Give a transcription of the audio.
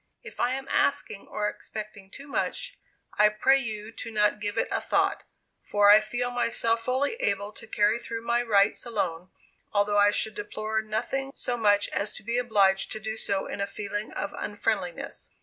If I am asking or expecting too much, I pray you to not give it a thought, for I feel myself fully able to carry through my rights alone, although I should deplore nothing so much as to be obliged to do so in a feeling of unfriendliness.